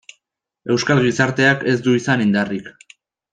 Euskal gizarteak ez du izan indarrik.